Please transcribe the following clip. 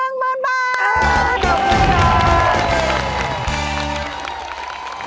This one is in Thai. ขอบคุณครับ